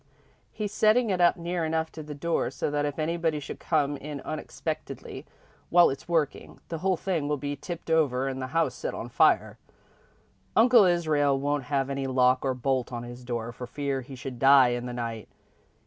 "He's setting it up near enough to the door so that if anybody should come in unexpectedly while it's working, the whole thing will be tipped over and the house set on fire. Uncle Israel won't have any lock or bolt on his door for fear he should die in the night.